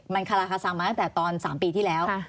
มันคาราคาซังมาตั้งแต่ตอน๓ปีที่แล้ว